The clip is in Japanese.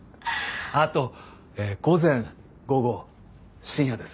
あと午前午後深夜です。